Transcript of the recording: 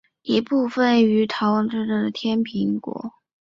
一部分余部逃往镇江加入太平天国。